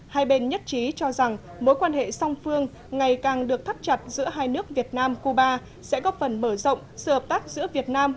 hai bên nhất trí cho rằng mối quan hệ song phương ngày càng được thắt chặt giữa hai nước việt nam cuba sẽ góp phần mở rộng sự hợp tác giữa việt nam